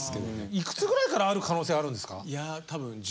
いくつぐらいからある可能性あるんですか？